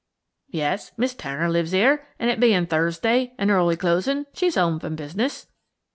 "Yes, Miss Turner lives here, and it bein' Thursday and early closin' she's home from business."